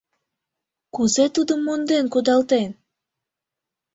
Кузе тудым монден кудалтен?